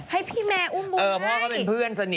ให้พี่แมอุ้มบุญให้